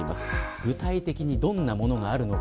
具体的にどんなものがあるのか。